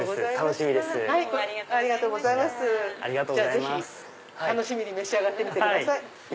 ぜひ楽しみに召し上がってみてください。